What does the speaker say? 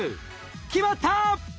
決まった！